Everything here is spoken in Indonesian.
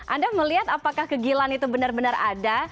anda melihat apakah kegilan itu benar benar ada